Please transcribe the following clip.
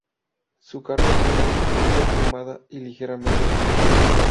Su carne tierna es perfumada y ligeramente dulce.